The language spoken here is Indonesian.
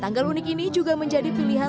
tanggal unik ini juga menjadi pilihan